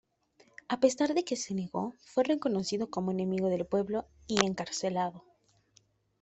A pesar de que se negó, fue reconocido como enemigo del pueblo, y encarcelado.